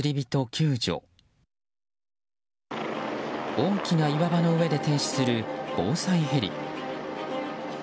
大きな岩場の上で停止する防災ヘリ。